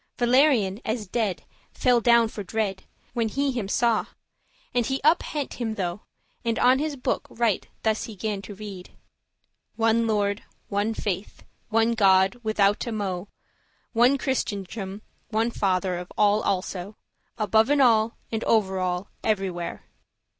Valerian, as dead, fell down for dread, When he him saw; and he up hent* him tho, *took there And on his book right thus he gan to read; "One Lord, one faith, one God withoute mo', One Christendom, one Father of all also, Aboven all, and over all everywhere."